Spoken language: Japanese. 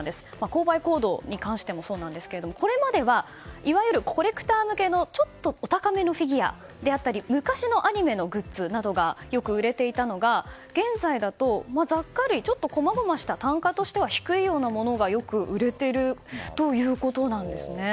購買行動に関してもそうなんですがこれまではいわゆるコレクター向けのちょっとお高めのフィギュアであったり昔のアニメのグッズなどがよく売れていたのが、現在だと雑貨類、ちょっとこまごました単価としては低いようなものがよく売れているということなんですね。